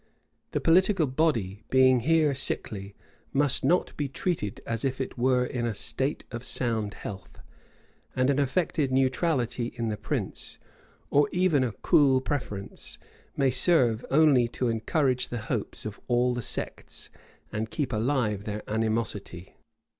The political body, being here sickly, must not be treated as if it were in a state of sound health; and an affected neutrality in the prince, or even a cool preference, may serve only to encourage the hopes of all the sects, and keep alive their animosity.